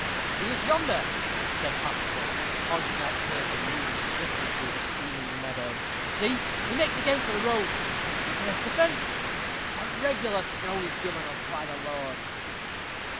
"He is yonder," said Paterson, pointing out Turpin moving swiftly through the steaming meadow. "See, he makes again for the road he clears the fence. A regular throw he has given us, by the Lord!"